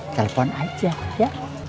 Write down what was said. telepon aja ya